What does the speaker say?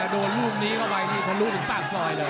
โดนรูปนี้ก็ไหวมีคนรู้ถึงปากซอยเลย